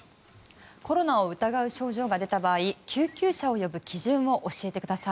コロナを疑う症状が出た場合救急車を呼ぶ基準を教えてください。